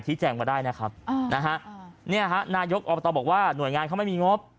แจ้งมาได้นะครับเนี่ยฮะนายกอบตบอกว่าหน่วยงานเขาไม่มีงบ